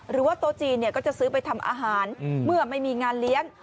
หรือว่าโตจีนเนี่ยก็จะซื้อไปทำอาหารอืมเมื่อไม่มีงานเลี้ยง